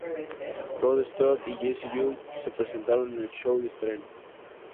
Rod Stewart y Jessie J se presentaron en el show de estreno.